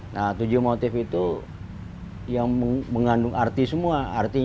nah tujuh motif itu yang mengandung arti semua